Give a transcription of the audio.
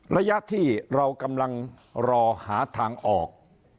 ระยะที่เรากำลังรอหาทางออก